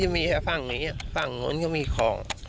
มีแต่ฝั่งนี้ฝั่งนู้นก็มีของ